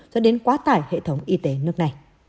dẫn đến quá tải hệ thống y tế nước này